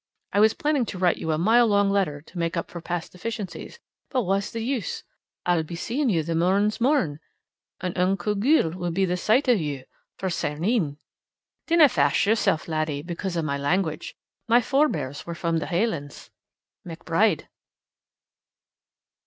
I was planning to write you a mile long letter to make up for past deficiencies, but wha's the use? I'll be seeing you the morn's morn, an' unco gude will be the sight o' you for sair een. Dinna fash yoursel, Laddie, because o'my language. My forebears were from the Hielands. McBRIDE.